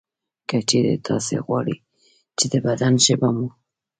که چېرې تاسې غواړئ چې د بدن ژبه مو